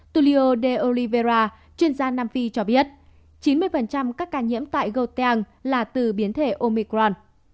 tulio de oliveira chuyên gia nam phi cho biết chín mươi các ca nhiễm tại gauteng là từ biến thể omicron